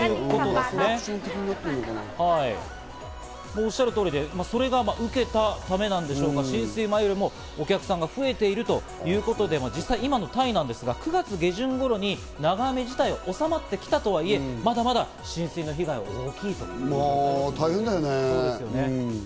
はい、おっしゃる通りでそれが受けたためなんでしょうか、浸水前よりもお客さんが増えているということで実際、今のタイですが、９月下旬頃に長雨自体は収まってきたとはいえ、まだまだ浸水の被害は大きいとい大変だよね。